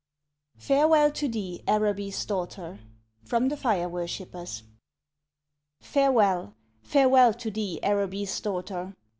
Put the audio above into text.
FAREWELL TO THEE, ARABY'S DAUGHTER. FROM "THE FIRE WORSHIPPERS." Farewell, farewell to thee, Araby's daughter!